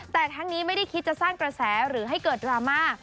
แต่ทั้งนี้ไม่ได้คิดจะสร้างกระแสหรือให้เกิดดราม่า